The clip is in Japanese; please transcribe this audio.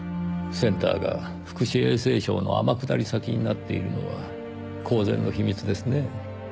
センターが福祉衛生省の天下り先になっているのは公然の秘密ですねぇ。